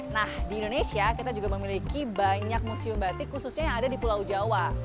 nah di indonesia kita juga memiliki banyak museum batik khususnya yang ada di pulau jawa